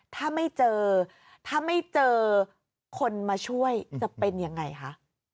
ถ้าไม่เจอถ้าไม่เจอคนมาช่วยจะเป็นยังไงคะ